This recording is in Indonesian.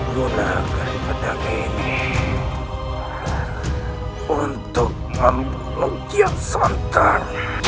gunakan pedang ini untuk membunuh kiat santan